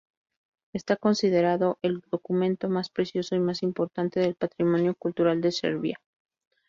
Está considerado el documento más precioso y más importante del patrimonio cultural de Serbia.